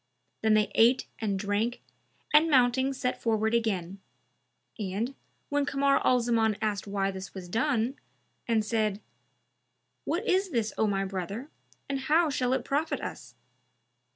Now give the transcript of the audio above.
Then they ate and drank and mounting set forward again; and, when Kamar al Zaman asked why this was done, and said, "What is this O my brother, and how shall it profit us?"